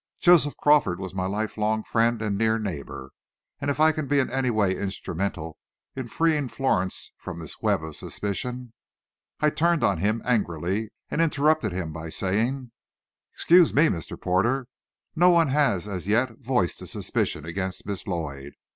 Joseph Crawford was my lifelong friend and near neighbor, and if I can be in any way instrumental in freeing Florence from this web of suspicion " I turned on him angrily, and interrupted him by saying, "Excuse me, Mr. Porter; no one has as yet voiced a suspicion against Miss Lloyd.